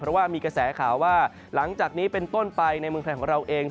เพราะว่ามีกระแสข่าวว่าหลังจากนี้เป็นต้นไปในเมืองไทยของเราเอง